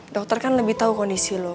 dokter kan lebih tau kondisi lu